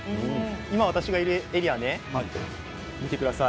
今、私がいるエリアは見てください。